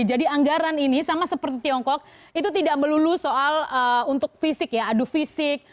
jadi anggaran ini sama seperti tiongkok itu tidak melulu soal untuk fisik ya adu fisik